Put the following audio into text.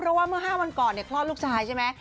เพราะว่าเมื่อ๕วันก่อนคลอดลูกชายใช่ไหม